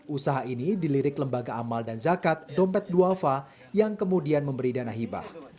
usaha ini dilirik lembaga amal dan zakat dompet duafa yang kemudian memberi dana hibah